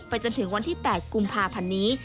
จนถึงวันที่๘กุมภาพันธ์นี้